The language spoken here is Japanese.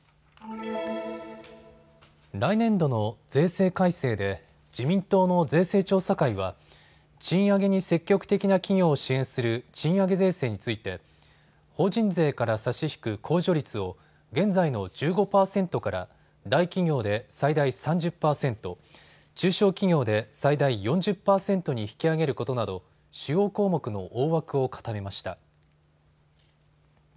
来年度の税制改正で自民党の税制調査会は賃上げに積極的な企業を支援する賃上げ税制について法人税から差し引く控除率を現在の１５％から大企業で最大３０％、中小企業で最大４０％に引き上げることなど主要項目の大枠を固めました。